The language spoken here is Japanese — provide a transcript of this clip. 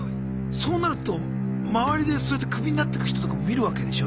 そうなると周りでそうやってクビになってく人とかも見るわけでしょ